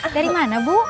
dari mana bu